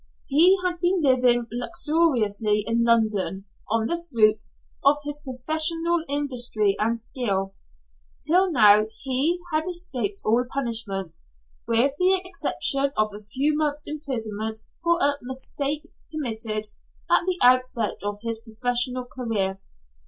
He had been living luxuriously in London, on the fruits of his professional industry and skill. Till now he had escaped all punishment, with the exception of a few months' imprisonment, for a "mistake" committed at the outset of his professional career.